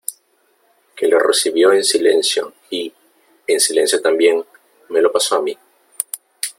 que lo recibió en silencio , y , en silencio también , me lo pasó a mí .